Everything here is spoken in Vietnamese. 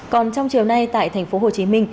còn trong chiều nay tại tp hcm